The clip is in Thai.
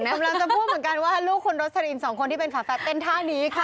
กำลังจะพูดเหมือนกันว่าลูกคุณโรสลินสองคนที่เป็นฝาแฝดเต้นท่านี้ค่ะ